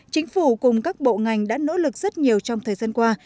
chính phủ cùng các bộ ngành đã nỗ lực rất nhiều trong thời gian qua